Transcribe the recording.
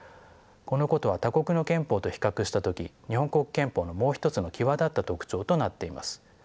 このことは他国の憲法と比較した時日本国憲法のもう一つの際立った特徴となっています。